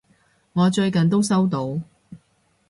我最近都收到！